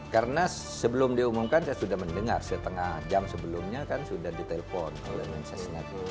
karena sebelum diumumkan saya sudah mendengar setengah jam sebelumnya kan sudah ditelepon oleh menteri sesnat